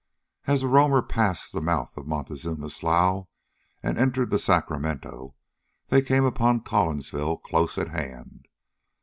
As the Roamer passed the mouth of Montezuma Slough and entered the Sacramento, they came upon Collinsville close at hand.